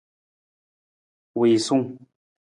Wiisung.